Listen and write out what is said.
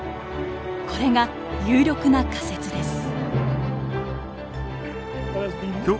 これが有力な仮説です。